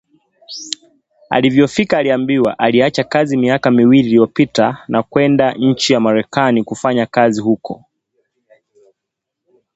Alivyofika aliambiwa aliacha kazi miaka miwili iliyopita na kwenda nchi ya Marekani kufanya kazi huko